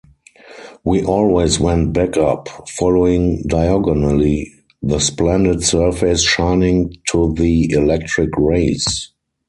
We always went back up, following diagonally the splendid surface shining to the electric rays.